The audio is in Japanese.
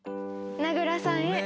名倉さんへ。